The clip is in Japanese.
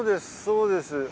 そうです